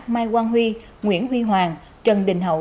mai quang huy nguyễn huy hoàng trần đình hậu